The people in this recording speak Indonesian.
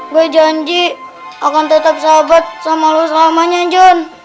gue janji akan tetap sahabat sama lo selamanya john